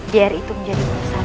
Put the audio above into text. biar itu menjadi urusan